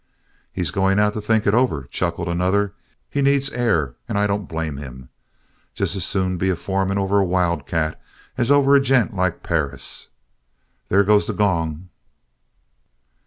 "He's going out to think it over!" chuckled another. "He needs air, and I don't blame him. Just as soon be foreman over a wildcat as over a gent like Perris. There goes the gong!"